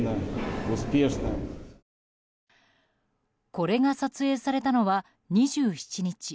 これが撮影されたのは２７日。